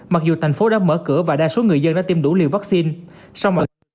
mặc dù thành phố đã mở cửa và đa số người dân đã tiêm đủ liều vaccine